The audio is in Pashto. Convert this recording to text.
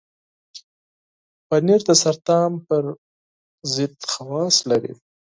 پنېر د سرطان پر ضد خواص لري.